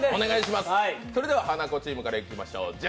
それではハナコチームからいきましょう。